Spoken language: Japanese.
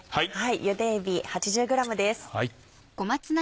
ゆでえび８０ｇです。